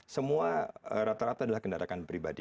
semua rata rata adalah kendaraan pribadi